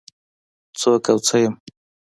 څوک او څه يم؟